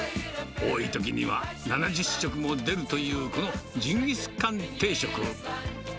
多いときには、７０食も出るというこのジンギスカン定食。